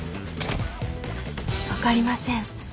わかりません。